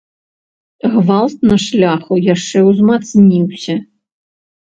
Гвалт на шляху яшчэ ўзмацніўся.